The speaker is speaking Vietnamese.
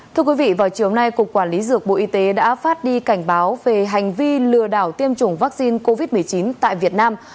thưa quý vị vào chiều nay cục quản lý dược bộ y tế đã phát đi cảnh báo về hành vi lừa đảo tiêm chủng vaccine covid một mươi chín tại việt nam